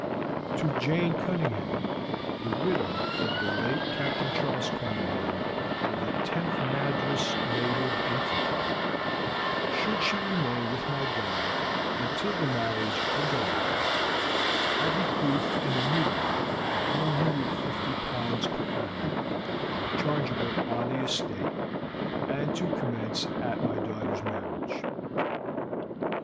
"To Jane Cunningham, the widow of the late Captain Charles Cunningham, of the 10th Madras Native Infantry, should she remain with my daughter until the marriage of the latter, I bequeath an annuity of 150 pounds per annum, chargeable on the estate, and to commence at my daughter's marriage.